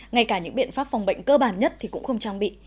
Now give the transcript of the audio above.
ngay cả những biện pháp phòng bệnh cơ bản nhất thì cũng không trang bị